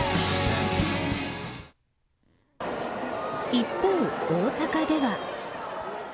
一方、大阪では。